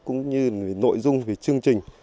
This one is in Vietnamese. cũng như nội dung về chương trình